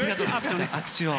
握手を。